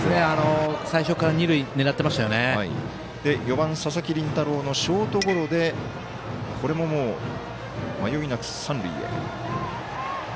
最初から二塁４番、佐々木麟太郎のショートゴロでこれも迷いなく三塁へ。